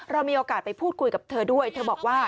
เรามีโอกาสไปพูดคุยกับเธอด้วยเธอบอกว่า